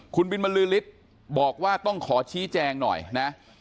คุณบินบรรลือฤทธิ์บอกว่าต้องขอชี้แจงหน่อยนะ